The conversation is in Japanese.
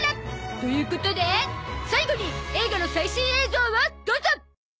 ということで最後に映画の最新映像をどうぞ！